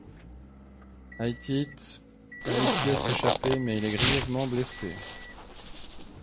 Aitíth réussit à s'échapper mais il est grièvement blessé.